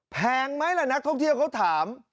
แพงไหมล่ะนักท่องเที่ยวเขาถาม